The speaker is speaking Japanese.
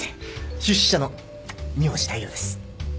出資者の三星大陽です。